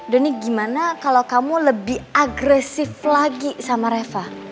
donny gimana kalo kamu lebih agresif lagi sama reva